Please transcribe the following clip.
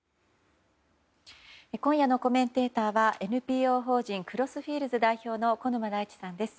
今夜のコメンテーターはＮＰＯ法人クロスフィールズ代表の小沼大地さんです。